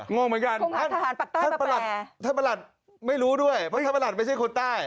งงเหมือนกันท่านประหลัดท่านประหลัดไม่รู้ด้วยเพราะท่านประหลัดไม่ใช่คนใต้